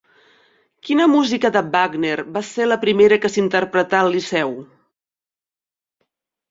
Quina música de Wagner va ser la primera que s'interpretà al Liceu?